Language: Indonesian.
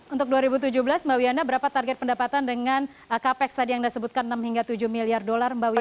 untuk dua ribu tujuh belas mbak wiana berapa target pendapatan dengan capex tadi yang anda sebutkan enam hingga tujuh miliar dolar mbak wiyana